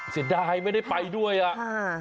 เสียดายไม่ได้ไปด้วยอ่ะอ่า